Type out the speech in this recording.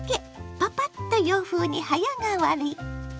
パパッと洋風に早変わり。